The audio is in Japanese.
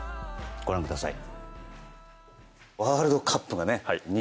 ご覧ください。